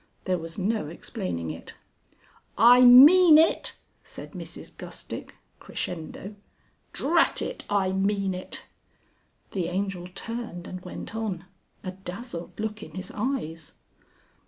There was no explaining it. "I mean it!" said Mrs Gustick, crescendo. "Drat it! I mean it." The Angel turned and went on, a dazzled look in his eyes.